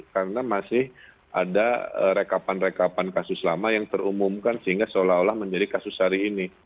karena masih ada rekapan rekapan kasus lama yang terumumkan sehingga seolah olah menjadi kasus hari ini